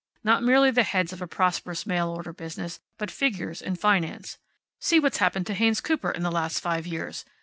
Not merely the heads of a prosperous mail order business, but figures in finance. See what's happened to Haynes Cooper in the last five years!